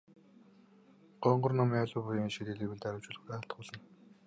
Гонгор номыг аливаа буян хишгийг дэлгэрүүлэн арвижуулахад айлтгуулна.